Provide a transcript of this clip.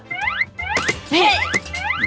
เฮ้ย